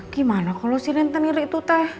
gimana kalau si rentenir itu teh